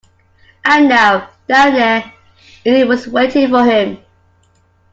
And now, down there, Eileen was waiting for him.